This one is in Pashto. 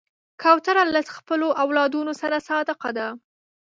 کوتره له خپلو اولادونو سره صادقه ده.